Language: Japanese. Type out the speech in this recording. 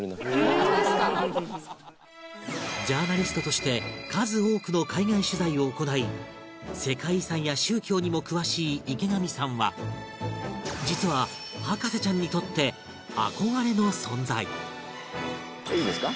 ジャーナリストとして数多くの海外取材を行い世界遺産や宗教にも詳しい池上さんは実はいいですか？